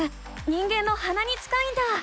人間のはなに近いんだ！